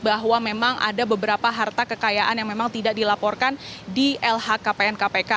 bahwa memang ada beberapa harta kekayaan yang memang tidak dilaporkan di lhkpn kpk